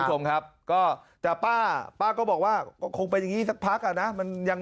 คุณผู้ชมครับก็แต่ป้าป้าก็บอกว่าก็คงเป็นอย่างนี้สักพักอ่ะนะมันยัง